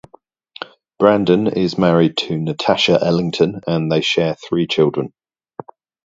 Brandon is married to Natasha Ellington and they share three children.